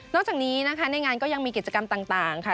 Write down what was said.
จากนี้นะคะในงานก็ยังมีกิจกรรมต่างค่ะ